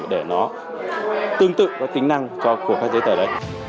để nó tương tự với tính năng của các giấy tờ đấy